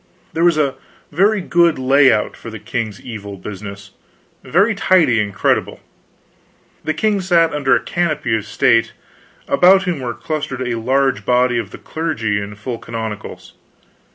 There was a very good lay out for the king's evil business very tidy and creditable. The king sat under a canopy of state; about him were clustered a large body of the clergy in full canonicals.